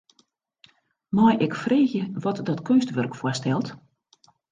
Mei ik freegje wat dat keunstwurk foarstelt?